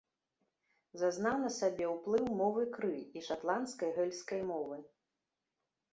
Зазнаў на сабе ўплыў мовы кры і шатландскай гэльскай мовы.